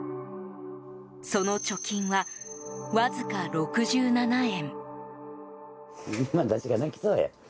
その貯金は、わずか６７円。